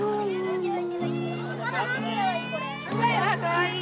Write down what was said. かわいい。